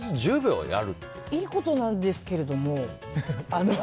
いいことなんですけれども。